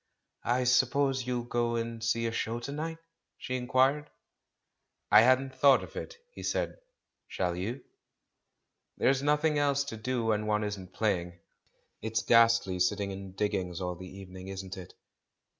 "I suppose you'll go and see a show to night?" she inquired. "I hadn't thought of it," he said. "ShaU ymir "There's nothing else to do when one isn't playing. It's ghastly sitting in diggings all the evening, isn't it?"